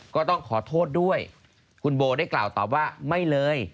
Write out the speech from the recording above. ก็ต้องขอโทษด้วยคุณโบได้กล่าวตอบว่าไม่เลย